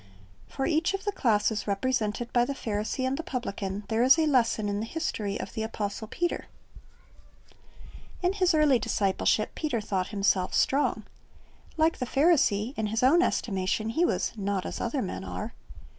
"' For each of the classes represented by the Pharisee and the publican there is a lesson in the history of the apostle Peter. In his early discipleship Peter thought himself strong. Like the Pharisee, in his own estimation he was "not as other men are."